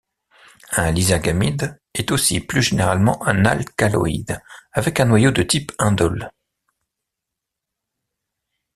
Un lysergamide est aussi plus généralement un alcaloïde avec un noyau de type indole.